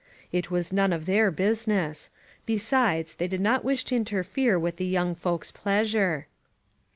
It was none of their business; be sides, they did not wish to interfere with the young folks' pleasure.